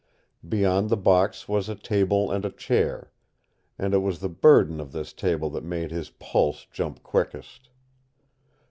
Beyond the box was a table and a chair, and it was the burden of this table that made his pulse jump quickest.